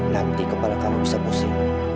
nanti kepada kamu bisa pusing